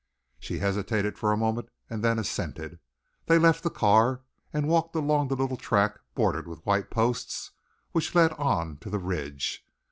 She hesitated for a moment and then assented. They left the car and walked along the little track, bordered with white posts, which led on to the ridge.